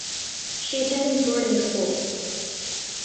She attended boarding school.